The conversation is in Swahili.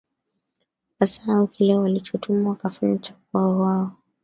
wakasahau kile walichotumwa wakafanya cha kuwa wao